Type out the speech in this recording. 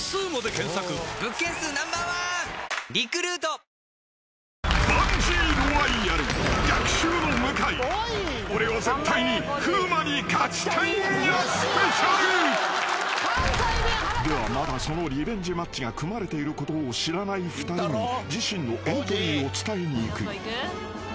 血圧１３０超えたらサントリー「胡麻麦茶」［ではまだそのリベンジマッチが組まれていることを知らない２人に自身のエントリーを伝えに行く］